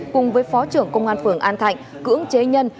cùng với phó trưởng công an phường an thạnh cưỡng chế nhân